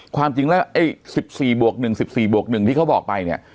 ความจริงแล้วไอ้๑๔บวก๑๑๔บวก๑ที่เขาบอกไปเนี่ย